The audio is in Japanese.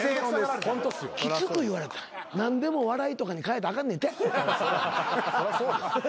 きつく言われた何でも笑いとかに変えたらあかんねんって。